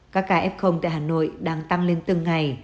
các ca f tại hà nội đang tăng lên từng ngày